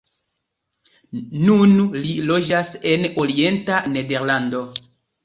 Nun li loĝas en orienta Nederlando.